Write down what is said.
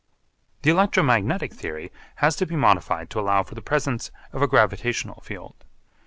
The electromagnetic theory has to be modified to allow for the presence of a gravitational field.